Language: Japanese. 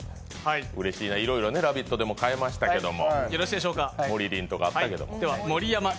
うれしいわ、いろいろ「ラヴィット！」でも変えましたけれども。